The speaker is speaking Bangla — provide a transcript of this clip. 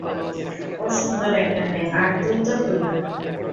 ও সুন্দর একটা মেয়ে, আর তুই তো তুইই।